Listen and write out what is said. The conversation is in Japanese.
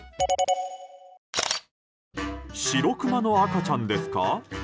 シロクマの赤ちゃんですか？